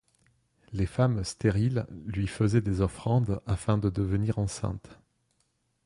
Les femmes stériles lui faisaient des offrandes afin de devenir enceintes.